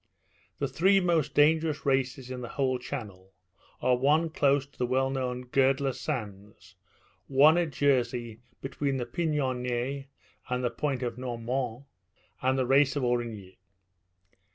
The three most dangerous races in the whole Channel are one close to the well known Girdler Sands, one at Jersey between the Pignonnet and the Point of Noirmont, and the race of Aurigny.